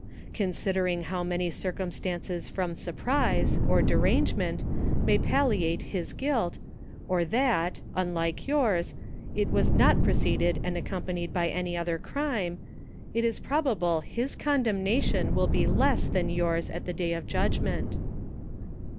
Consider ing how many circumstances from surprise, or derange ment, may palliate his guilt, or that (unlike yours) it was not preceded and accompanied by any other crime, it is probable his condemnation will be less than yours at the day of judgment.